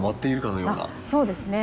そうですね。